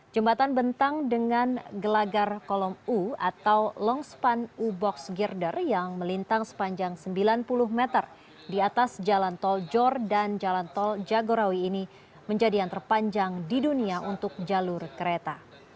jembatan bentang dengan gelagar kolom u atau longspan u box girder yang melintang sepanjang sembilan puluh meter di atas jalan tol jor dan jalan tol jagorawi ini menjadi yang terpanjang di dunia untuk jalur kereta